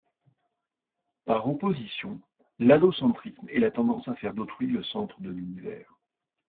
Par opposition, l'allocentrisme est la tendance à faire d'autrui le centre de l'univers.